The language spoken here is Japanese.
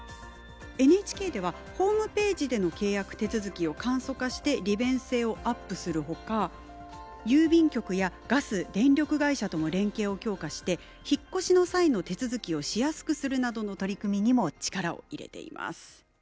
ＮＨＫではホームページでの契約手続きを簡素化して利便性をアップするほか郵便局やガス電力会社とも連携を強化して引っ越しの際の手続きをしやすくするなどの取り組みにも力を入れています。